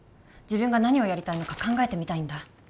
自分が何をやりたいのか考えてみたいんだ